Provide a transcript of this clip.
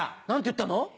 何て言ったの？